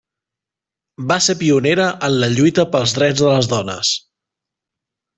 Va ser pionera en la lluita pels drets de les dones.